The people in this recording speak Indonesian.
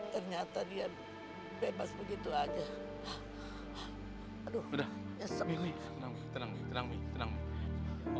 ternyata dia bebas begitu aja aduh udah